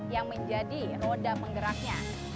yang menjadi roda penggeraknya